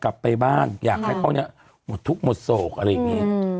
กลับไปบ้านอยากให้เขาเนี่ยหมดทุกข์หมดโศกอะไรอย่างนี้